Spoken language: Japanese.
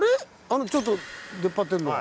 あのちょっと出っ張ってるのが。